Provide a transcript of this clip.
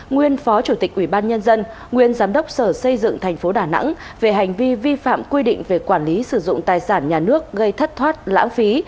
nguyên phó chủ tịch ủy ban nhân dân nguyên giám đốc sở xây dựng tp đà nẵng về hành vi vi phạm quy định về quản lý sử dụng tài sản nhà nước gây thất thoát lãng phí